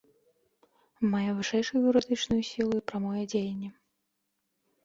Мае вышэйшую юрыдычную сілу і прамое дзеянне.